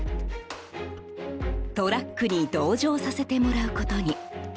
トラックに同乗させてもらうことに。